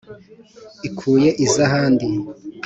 ikuye iz'ahandi,